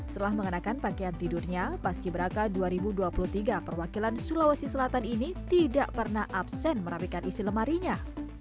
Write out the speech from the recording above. setelah mengenakan pakaian tidurnya paski beraka dua ribu dua puluh tiga perwakilan sulawesi selatan ini tidak pernah absen merapikan isi lemarinya